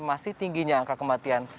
masih tingginya angka kematian